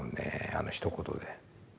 あのひと言で。